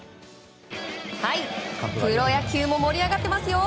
プロ野球も盛り上がってますよ！